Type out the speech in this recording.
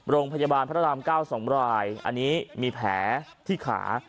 โรงพยาบาลพระราม๙๒รายอันนี้มีแผลที่ขา